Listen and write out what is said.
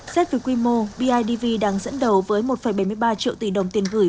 xét về quy mô bidv đang dẫn đầu với một bảy mươi ba triệu tỷ đồng tiền gửi